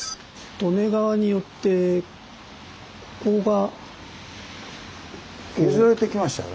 利根川によってここが。削られてきましたよね。